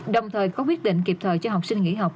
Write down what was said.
đồng thời có quyết định kịp thời cho học sinh nghỉ học